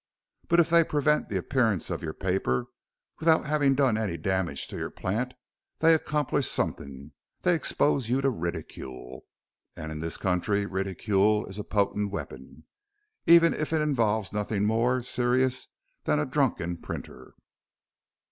But if they prevent the appearance of your paper without having done any damage to your plant they accomplish something they expose you to ridicule. And in this country ridicule is a potent weapon even if it involves nothing more serious than a drunken printer."